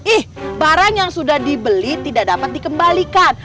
ih barang yang sudah dibeli tidak dapat dikembalikan